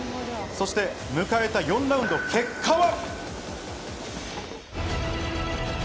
そして迎えた４ラウンドの結果は。